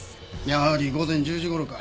やはり午前１０時頃か。